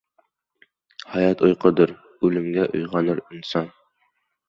• Hayot uyqudir, o‘limla uyg‘onur inson.